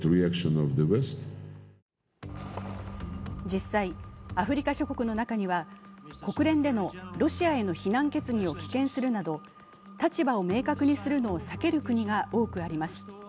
実際、アフリカ諸国の中には国連でのロシアへの非難決議を棄権するなど、立場を明確にするのを避ける国が多くあります。